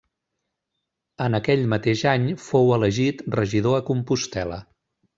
En aquell mateix any fou elegit regidor a Compostel·la.